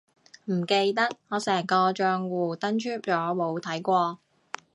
唔記得，我成個帳戶登出咗冇睇過